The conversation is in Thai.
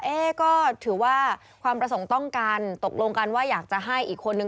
เอ๊ก็ถือว่าความประสงค์ต้องการตกลงกันว่าอยากจะให้อีกคนนึง